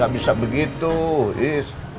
gak bisa begitu is